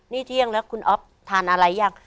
นี่เที่ยงแล้วคุณอ๊อฟทานอะไรยัง